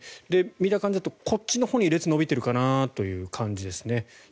見た感じだとこっちのほうに列が延びているかなという感じですね。